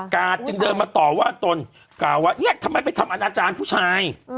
จึงเดินมาต่อว่าตนกล่าวว่าเนี่ยทำไมไปทำอนาจารย์ผู้ชาย